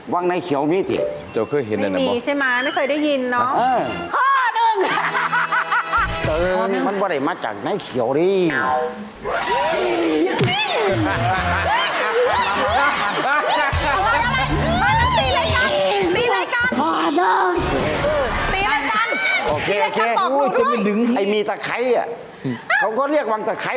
วังนายเขียวนี่สิไม่มีใช่ไหมไม่เคยได้ยินเนอะข้อหนึ่งฮ่า